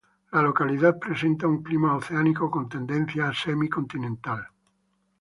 La localidad presenta un clima oceánico con tendencia a semi-continental.